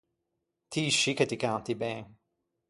Ti scì che ti canti ben.